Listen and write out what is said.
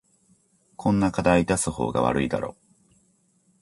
こんな課題出す方が悪いだろ